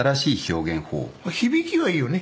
響きはいいよね。